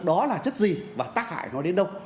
đó là chất gì và tác hại nó đến đâu